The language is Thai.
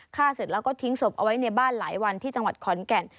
ฆ่าเสร็จแล้วก็ทิ้งศพเอาไว้ในบ้านหลายวันที่จังหวัดขอนแก่น